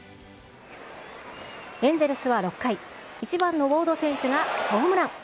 エンゼルスは６回、１番のウォード選手がホームラン。